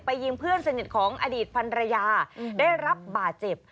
ยิงเพื่อนสนิทของอดีตพันรยาได้รับบาดเจ็บ